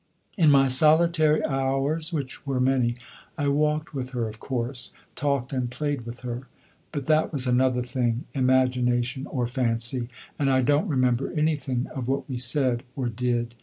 In my solitary hours, which were many, I walked with her of course, talked and played with her. But that was another thing, imagination, or fancy, and I don't remember anything of what we said or did.